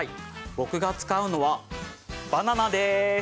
僕が使うのはバナナです！